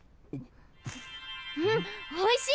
うんおいしい！